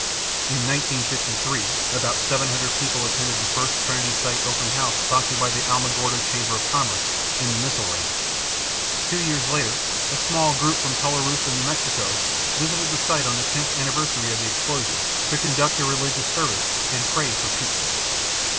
In 1953 about 700 people attended the first Trinity Site open house sponsored by the Alamogordo Chamber of Commerce and the Missile Range. Two years later, a small group from Tularosa, NM visited the site on the 10th anniversary of the explosion to conduct a religious service and pray for peace.